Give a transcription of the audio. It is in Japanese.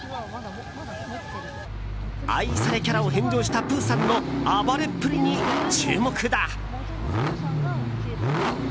愛されキャラを返上したプーさんの暴れっぷりに注目だ。